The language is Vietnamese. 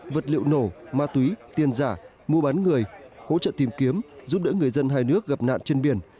vật liệu nổ ma túy tiền giả mua bán người hỗ trợ tìm kiếm giúp đỡ người dân hai nước gặp nạn trên biển